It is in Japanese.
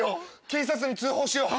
警察に通報しよう。